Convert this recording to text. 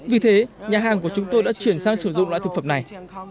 vì thế nhà hàng của chúng tôi đã chuyển sang sử dụng loại thực phẩm này